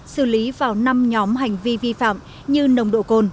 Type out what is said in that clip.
xử lý vào năm nhóm hành vi vi phạm như nồng độ cồn